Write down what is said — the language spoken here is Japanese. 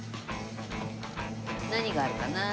何があるかなー？